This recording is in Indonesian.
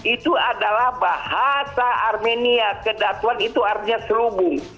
itu adalah bahasa armenia kedatuan itu artinya serubung